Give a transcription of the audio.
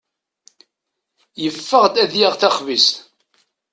Yeffeɣ ad d-yaɣ taxbizt.